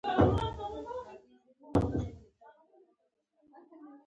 څوک چې په تقدیر ایمان لري، نه مایوسه کېږي.